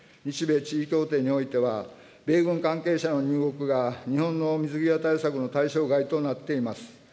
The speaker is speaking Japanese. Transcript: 日米地位協定においては、米軍関係者の入国が日本の水際対策の対象外となっています。